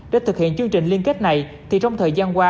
để thực hiện chương trình liên kết này thì trong thời gian qua